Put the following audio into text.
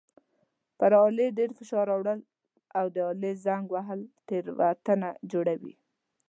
پر آلې ډېر فشار راوړل او د آلې زنګ وهل تېروتنه جوړوي.